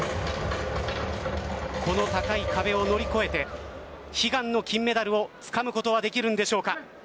この高い壁を乗り越えて悲願の金メダルをつかむことはできるんでしょうか。